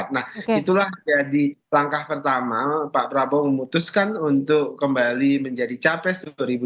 nah itulah jadi langkah pertama pak prabowo memutuskan untuk kembali menjadi capres dua ribu dua puluh